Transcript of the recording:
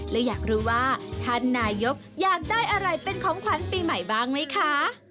และอยากรู้ว่าท่านนายกอยากได้อะไรเป็นของขวัญปีใหม่บ้างไหมคะ